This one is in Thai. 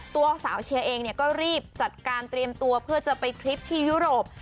ตัวสาวเชียร์เองเนี่ยก็รีบจัดการเตรียมตัวเพื่อจะไปทริปที่ยุโรป